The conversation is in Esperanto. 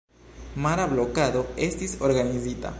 Mara blokado estis organizita.